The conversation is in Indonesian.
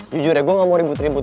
jujur aja gue gak mau ribut ribut